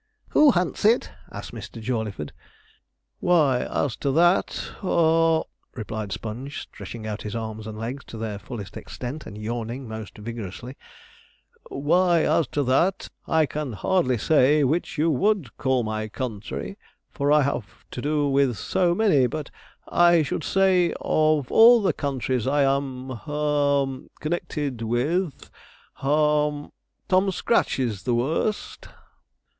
'Who hunts it?' asked Mr. Jawleyford. 'Why, as to that haw,' replied Sponge, stretching out his arms and legs to their fullest extent, and yawning most vigorously 'why, as to that, I can hardly say which you would call my country, for I have to do with so many; but I should say, of all the countries I am haw connected with haw Tom Scratch's is the worst.'